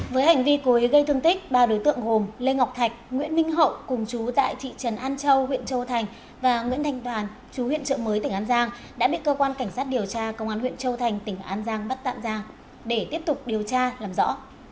với hành vi cố ý gây thương tích ba đối tượng gồm lê ngọc thạch nguyễn minh hậu cùng chú tại thị trấn an châu huyện châu thành và nguyễn thanh toàn chú huyện trợ mới tỉnh an giang đã bị cơ quan cảnh sát điều tra công an huyện châu thành tỉnh an giang bắt tạm ra để tiếp tục điều tra làm rõ